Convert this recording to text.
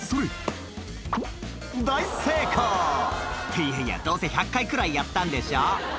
いやいやどうせ１００回くらいやったんでしょ